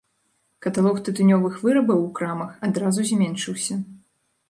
Каталог тытунёвых вырабаў у крамах адразу зменшыўся.